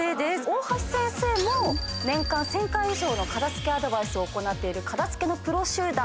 大橋先生も年間１，０００回以上の片付けアドバイスを行っている片付けのプロ集団